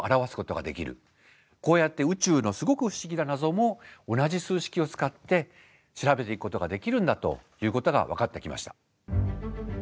こうやって宇宙のすごく不思議な謎も同じ数式を使って調べていくことができるんだということが分かってきました。